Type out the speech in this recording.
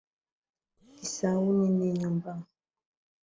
Kisauni ni nyumbani.